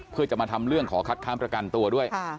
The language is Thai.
เพื่อจะมาทำเรื่องขอคัดค้านประกันตัวด้วย